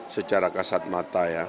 secara kasat mata ya